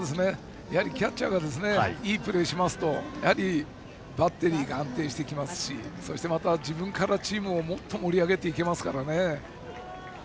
キャッチャーがいいプレーをしますとバッテリーが安定してきますし自分からチームをもっと盛り上げていけますからね。